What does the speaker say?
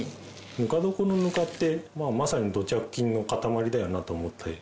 ぬか床のぬかってまさに土着菌の塊だよなと思って。